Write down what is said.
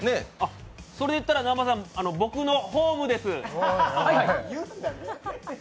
それで言ったら僕のホームです。